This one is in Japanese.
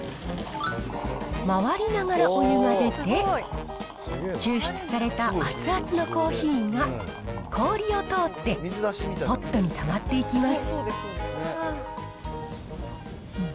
回りながらお湯が出て、抽出された熱々のコーヒーが氷を通って、ポットにたまっていきます。